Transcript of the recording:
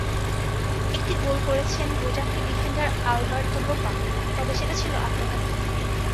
একটি গোল করেছেন গোটাফে ডিফেন্ডার আলবার্তো লোপা, তবে সেটা ছিল আত্মঘাতী।